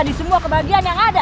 di semua kebahagiaan yang ada